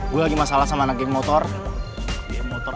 gue lagi masalah sama anak yang motor